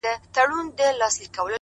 په ښکارپورۍ سترگو کي، راته گلاب راکه،